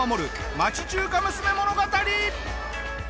町中華娘物語！